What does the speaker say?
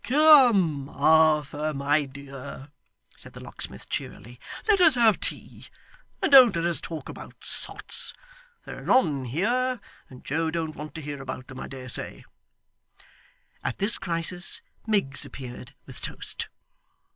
'Come, Martha, my dear,' said the locksmith cheerily, 'let us have tea, and don't let us talk about sots. There are none here, and Joe don't want to hear about them, I dare say.' At this crisis, Miggs appeared with toast.